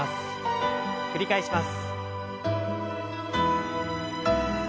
繰り返します。